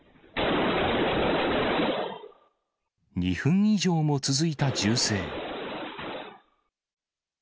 ２分以上も続いた銃声。